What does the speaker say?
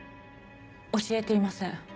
教えていません。